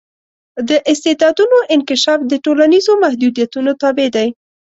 د استعدادونو انکشاف د ټولنیزو محدودیتونو تابع دی.